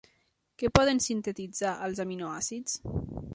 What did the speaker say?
Què poden sintetitzar els aminoàcids?